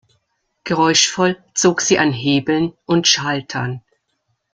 Geräuschvoll zog sie an Hebeln und Schaltern.